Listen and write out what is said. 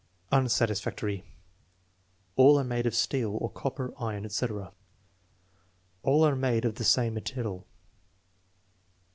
Unsatisfactory. "All are made of steel" (or copper, iron, etc.). "All are made of the same metal."